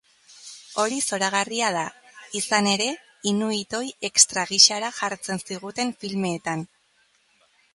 Hori zoragarria da, izan ere, inuitoi extra gisara jartzen ziguten filmeetan.